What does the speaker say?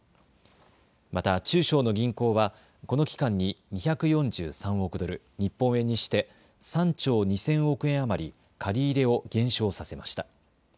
また中小の銀行はこの期間に２４３億ドル、日本円にして３兆２０００億円余り借り入れを減少させました。